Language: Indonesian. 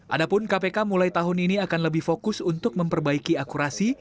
adapun kpk mulai tahun ini akan lebih fokus untuk memperbaiki akurasi